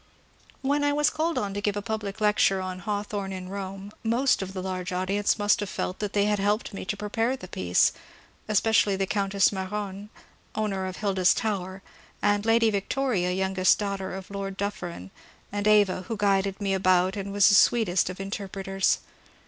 When I was called on to give a public lecture on " Haw thorne in Bome," most of the large audience must have felt that they had helped me to prepare the piece, — especially the Countess Marone, owner of Hilda's Tower, and Lady Vic toria, youngest daughter of Lord Dufferin and Ava, who guided me about and was the sweetest of interpreters.